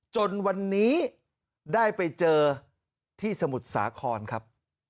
จนวันนี้ได้ไปเจอที่สมุทรสาครครับ